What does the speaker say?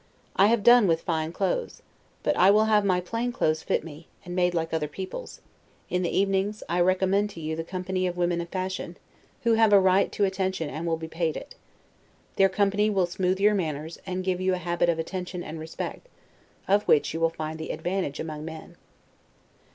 I have done with fine clothes; but I will have my plain clothes fit me, and made like other people's: In the evenings, I recommend to you the company of women of fashion, who have a right to attention and will be paid it. Their company will smooth your manners, and give you a habit of attention and respect, of which you will find the advantage among men.